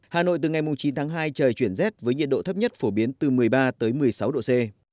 hà nội từ ngày chín tháng hai trời chuyển rét với nhiệt độ thấp nhất phổ biến từ một mươi ba một mươi sáu độ c